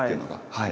はい。